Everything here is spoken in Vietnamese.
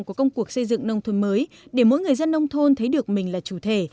của công cuộc xây dựng nông thôn mới để mỗi người dân nông thôn thấy được mình là chủ thể